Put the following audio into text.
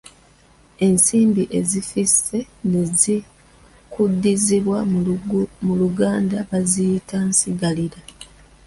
Ensimbi ezifisse ne zikuddizibwa mu luganda baziyita Nsigalira.